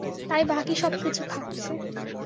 তাই বাকি সবকিছু খাচ্ছে।